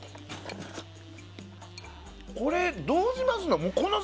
これ、どうしますの？